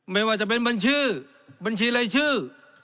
ไม่ว่าจะเป็นบัญชีบัญชีรายชื่อ